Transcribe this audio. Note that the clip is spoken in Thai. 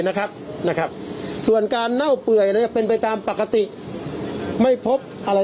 นะครับนะครับส่วนการเน่าเปื่อยนะครับเป็นไปตามปกติไม่พบอะไร